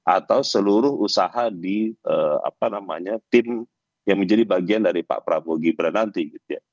atau seluruh usaha di apa namanya tim yang menjadi bagian dari pak prabowo gibran nanti